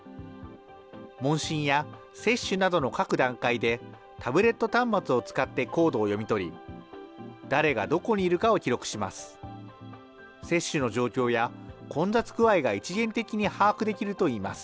問診や接種などの各段階で、タブレット端末を使ってコードを読み取り、誰が・どこにいるかを記録します。